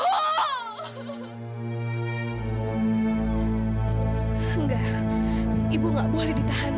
enggak ibu gak boleh ditahan